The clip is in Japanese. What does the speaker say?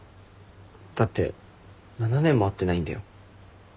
だって７年も会ってないんだよ。